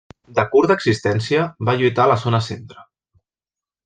De curta existència, va lluitar a la zona centre.